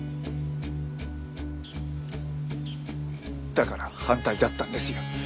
だから反対だったんですよ。